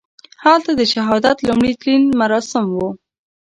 هلته د شهادت لومړي تلین مراسم وو.